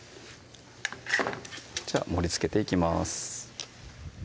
じゃあ盛りつけていきます